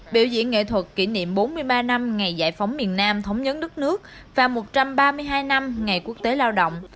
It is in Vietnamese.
biểu diễn nghệ thuật kỷ niệm bốn mươi ba năm ngày giải phóng miền nam thống nhất đất nước và một trăm ba mươi hai năm ngày quốc tế lao động